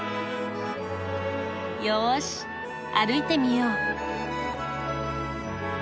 よし歩いてみよう。